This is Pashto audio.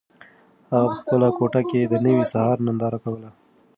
هغه په خپله کوټه کې د نوي سهار ننداره کوله.